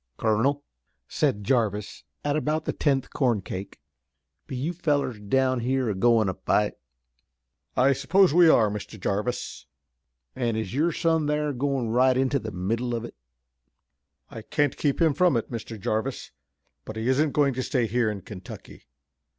"Colonel," said Jarvis, at about the tenth corn cake, "be you fellers down here a goin' to fight?" "I suppose we are, Mr. Jarvis!" "An' is your son thar goin' right into the middle of it?" "I can't keep him from it, Mr. Jarvis, but he isn't going to stay here in Kentucky.